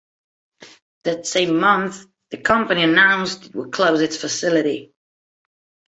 That same month, the company announced it would close its facility.